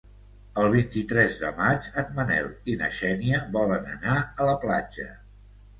El vint-i-tres de maig en Manel i na Xènia volen anar a la platja.